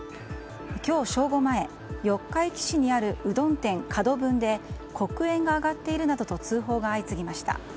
今日正午前四日市市にあるうどん店、角文で黒煙が上がっているなどと通報が相次ぎました。